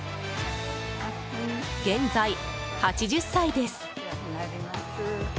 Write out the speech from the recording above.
現在８０歳です。